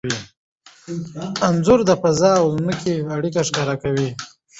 انځور د فضا او ځمکې اړیکه ښکاره کوي.